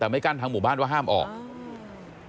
ทางนิติกรหมู่บ้านแจ้งกับสำนักงานเขตประเวท